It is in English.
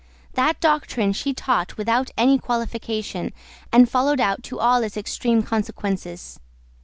That doctrine she taught without any qualification, and followed out to all its extreme consequences.